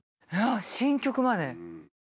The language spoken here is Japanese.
新曲まで。